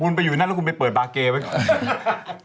คุณไปอยู่นั่นแล้วคุณไปเปิดบาร์เกย์ไว้ก่อน